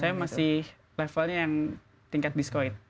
saya masih levelnya yang tingkat discoin